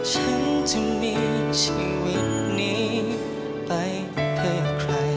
ฉันจะมีชีวิตนี้ไปเพื่อใคร